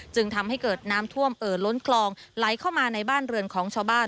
จึงทำให้เกิดน้ำท่วมเอ่อล้นคลองไหลเข้ามาในบ้านเรือนของชาวบ้าน